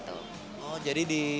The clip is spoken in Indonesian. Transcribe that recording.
oh jadi di